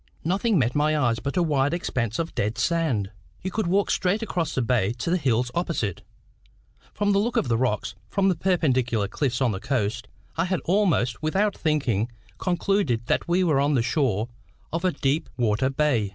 Nothing met my eyes but a wide expanse of dead sand. You could walk straight across the bay to the hills opposite. From the look of the rocks, from the perpendicular cliffs on the coast, I had almost, without thinking, concluded that we were on the shore of a deep water bay.